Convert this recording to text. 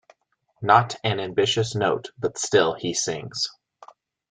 Not an ambitious note, but still he sings.